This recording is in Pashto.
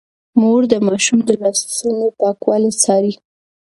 مور د ماشوم د لاسونو پاکوالی څاري.